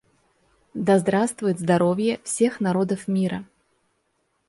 Да здравствует здоровье всех народов мира!